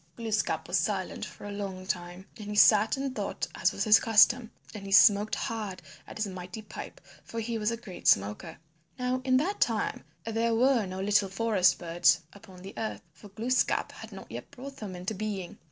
Glooskap was silent for a long time and he sat and thought as was his custom, and he smoked hard at his mighty pipe, for he was a great smoker. Now in that time there were no little forest birds upon the earth, for Glooskap had not yet brought them into being.